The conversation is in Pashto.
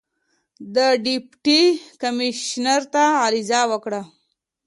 د ډیپټي کمیشنر ته عریضه وکړه.